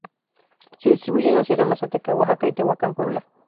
Se distribuye en la Sierra Mazateca, Oaxaca, y Tehuacán, Puebla.